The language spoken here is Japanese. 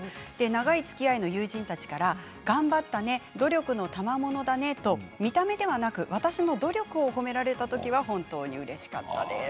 長いつきあいの友人たちから頑張ったね、努力のたまものだねと見た目ではなく私の努力を褒められた時は本当にうれしかったです。